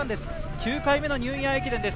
９回目のニューイヤー駅伝です。